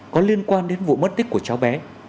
có liên quan đến vụ mất tích của cháu bé